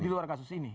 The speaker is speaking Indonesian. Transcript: di luar kasus ini